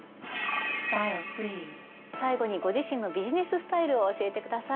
最後にご自身のビジネススタイルを教えてください。